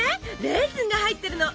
レーズンが入ってるの！